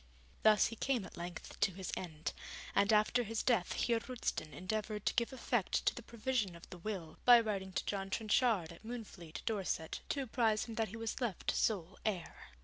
Thus he came at length to his end, and after his death Heer Roosten endeavoured to give effect to the provision of the will, by writing to John Trenchard, at Moonfleet, Dorset, to apprise him that he was left sole heir.